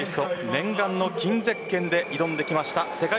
念願の金ゼッケンで挑んできました